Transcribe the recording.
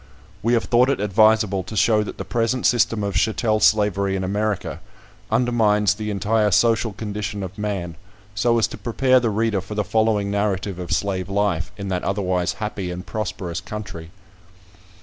We have thought it advisable to show that the present system of chattel slavery in America undermines the entire social condition of man, so as to prepare the reader for the following narrative of slave life, in that otherwise happy and prosperous country.